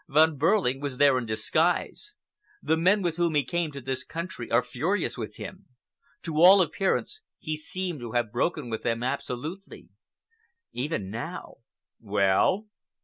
Von Behrling was there in disguise. The men with whom he came to this country are furious with him. To all appearance, he seemed to have broken with them absolutely. Even now— "Well?"